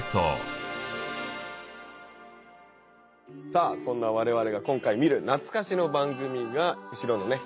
さあそんな我々が今回見る懐かしの番組が後ろのね